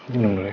minum dulu ya